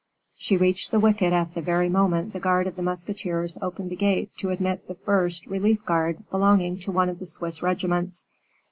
She reached the wicket at the very moment the guard of the musketeers opened the gate to admit the first relief guard belonging to one of the Swiss regiments.